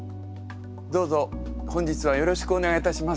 どうぞ本日はよろしくお願いいたします。